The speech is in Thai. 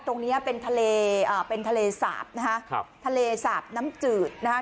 ตรงเนี้ยเป็นทะเลอ่าเป็นทะเลสาบนะฮะครับทะเลสาบน้ำจืดนะฮะ